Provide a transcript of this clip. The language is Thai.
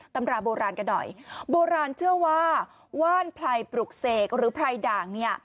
ตำราโบราณกันหน่อยโบราณเชื่อว่าว่านไพรปลุกเสกหรือไพรด่างเนี่ย